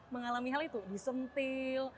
mengalami hal itu disentil